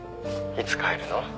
いつ帰るの？